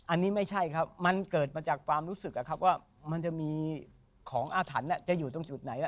อันนี้ไม่ใช่ครับมันเกิดมาจากความรู้สึกว่ามันจะมีของอาถรรพ์จะอยู่ตรงจุดไหน